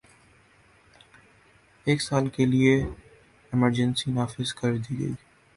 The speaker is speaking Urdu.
ایک سال کے لیے ایمرجنسی نافذ کر دی گئی